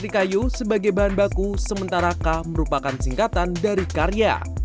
dari kayu sebagai bahan baku sementara kah merupakan singkatan dari karya